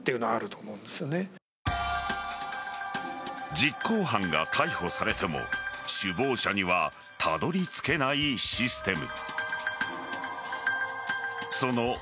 実行犯が逮捕されても首謀者にはたどり着けないシステム。